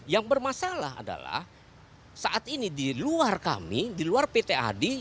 yang bermasalah adalah saat ini di luar kami di luar pt adi